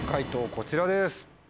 こちらです。